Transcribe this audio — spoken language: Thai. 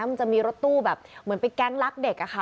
มันจะมีรถตู้แบบเหมือนเป็นแก๊งรักเด็กอะค่ะ